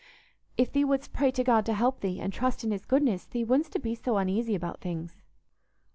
If thee wouldst pray to God to help thee, and trust in His goodness, thee wouldstna be so uneasy about things."